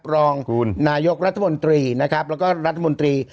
รองนายกรัฐมนตรีนะครับแล้วก็รัฐมนตรี